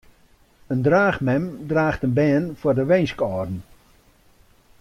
In draachmem draacht in bern foar de winskâlden.